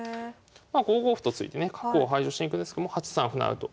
まあ５五歩と突いてね角を排除しに行くんですけども８三歩成と。